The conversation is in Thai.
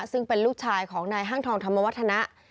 ซึ่งเป็นลูกชายของนายห้างทองธรรมวัฒนะ